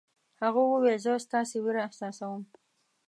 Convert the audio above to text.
هغه وویل چې زه ستاسې وېره احساسوم.